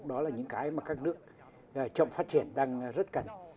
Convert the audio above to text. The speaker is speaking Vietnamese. đó là những cái mà các nước chậm phát triển đang rất cần